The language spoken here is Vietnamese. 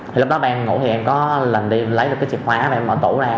thì lúc đó ba em ngủ thì em có lần đi lấy được cái chìa khóa và em mở tủ ra